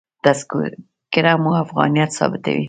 تذکره مو افغانیت ثابتوي.